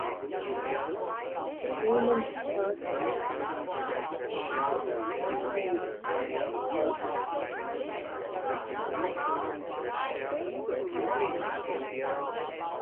The Shellman Historic District is listed on the National Register of Historic Places.